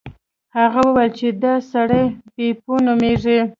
هغه وویل چې دا سړی بیپو نومیږي.